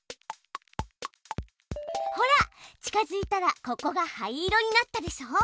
ほら近づいたらここが灰色になったでしょう！